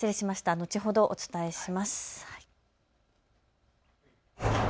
後ほどお伝えします。